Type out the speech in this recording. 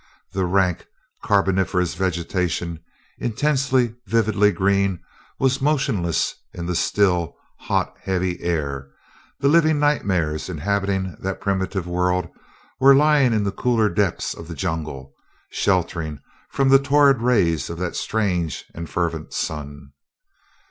The rank Carboniferous vegetation, intensely, vividly green, was motionless in the still, hot, heavy air; the living nightmares inhabiting that primitive world were lying in the cooler depths of the jungle, sheltered from the torrid rays of that strange and fervent sun.